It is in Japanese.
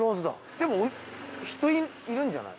でも人いるんじゃない？